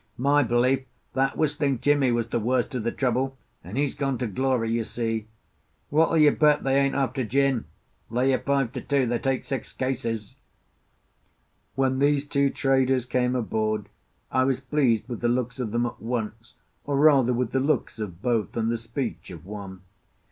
My belief, that Whistling Jimmie was the worst of the trouble; and he's gone to glory, you see. What'll you bet they ain't after gin? Lay you five to two they take six cases." When these two traders came aboard I was pleased with the looks of them at once, or, rather, with the looks of both, and the speech of one.